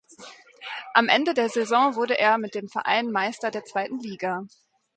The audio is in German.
Am Ende der Saison wurde er mit dem Verein Meister der zweiten Liga.